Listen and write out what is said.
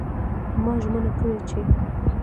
ما ژمنه کړې چې